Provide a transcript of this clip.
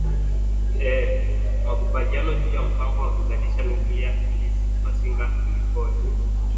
ee makubaliano juu ya mpango wa kuzalisha nuclear liz masinga kulikoni